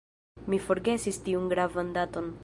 Mi forgesis tiun gravan daton.